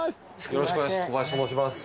よろしくお願いします